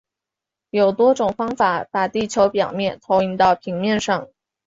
有多种方法把地球表面投影到平面上。